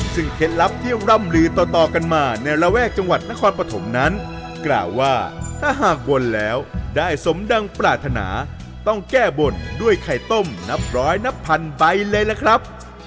ซึ่งเคล็ดลับที่ร่ำลือต่อกันมาในระแวกจังหวัดนครปฐมนั้นกล่าวว่าถ้าหากบนแล้วได้สมดังปรารถนาต้องแก้บนด้วยไข่ต้มนับร้อยนับพันใบเลยล่ะครับ